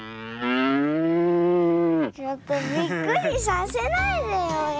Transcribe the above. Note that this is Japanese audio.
ちょっとびっくりさせないでよやるから。